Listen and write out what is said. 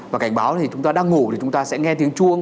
và cảnh báo thì chúng ta đang ngủ thì chúng ta sẽ nghe tiếng chuông